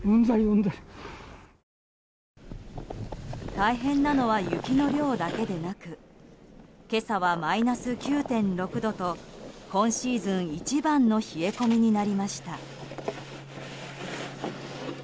大変なのは雪の量だけでなく今朝はマイナス９．６度と今シーズン一番の冷え込みになりました。